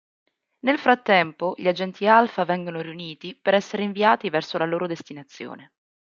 Nel frattempo gli agenti Alfa vengono riuniti per essere inviati verso la loro destinazione.